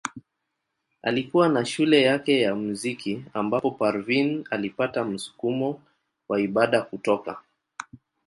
Alikuwa na shule yake ya muziki ambapo Parveen alipata msukumo wa ibada kutoka.